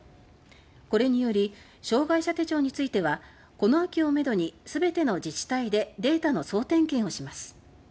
これにより障害者手帳についてはこの秋をめどに全ての自治体でデータの総点検をします。